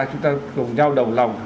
chúng ta cùng nhau đồng lòng